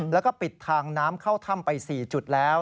แล้วก็ปิดทางน้ำเข้าถ้ำไป๔จุดแล้ว